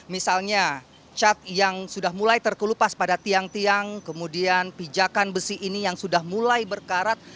misalnya cat yang sudah mulai terkelupas pada tiang tiang kemudian pijakan besi ini yang sudah mulai berkarat